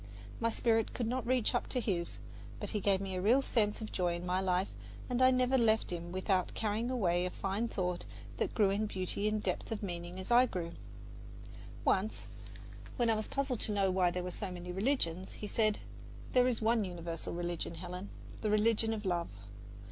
My spirit could not reach up to his, but he gave me a real sense of joy in life, and I never left him without carrying away a fine thought that grew in beauty and depth of meaning as I grew. Once, when I was puzzled to know why there were so many religions, he said: "There is one universal religion, Helen the religion of love.